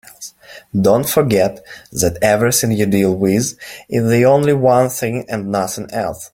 Don't forget that everything you deal with is only one thing and nothing else.